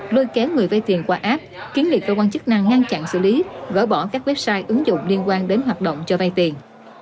lôi kéo người vay tiền qua app kiến nghị cơ quan chức năng ngăn chặn xử lý gỡ bỏ các website ứng dụng liên quan đến hoạt động cho vay tiền